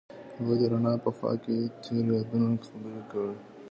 هغوی د رڼا په خوا کې تیرو یادونو خبرې کړې.